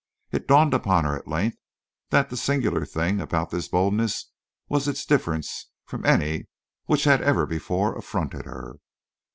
It dawned upon her, at length, that the singular thing about this boldness was its difference from any, which had ever before affronted her.